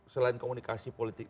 selain komunikasi politik